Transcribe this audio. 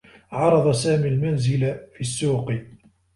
عرض سامي المنزل في السّوق.